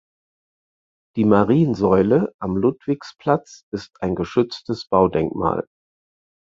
Die Mariensäule am Ludwigsplatz ist ein geschütztes Baudenkmal.